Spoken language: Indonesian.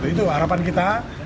itu harapan kita